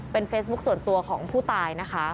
เป็นเฟซบุ๊คส่วนตัวของผู้ตายนะคะ